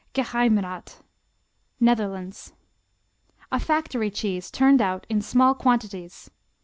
Geheimrath Netherlands A factory cheese turned out in small quantities.